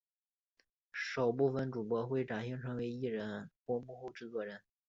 少部份主播会转型成艺人或幕后制作人。